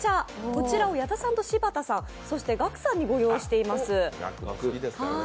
こちらを矢田さんと柴田さん、そしてガクさんにご用意しています。